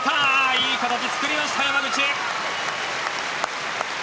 いい形を作りました、山口！